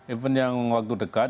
event yang waktu dekat